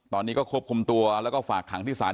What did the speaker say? ตอนนี้ก็ควบคุมตัวแล้วก็ฝากขังที่ศาล